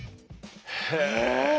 へえ。